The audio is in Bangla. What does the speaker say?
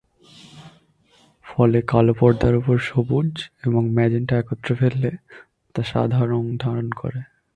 ফলে কালো পর্দার ওপর সবুজ এবং ম্যাজেন্টা একত্রে ফেললে তা সাদা রং ধারণ করে।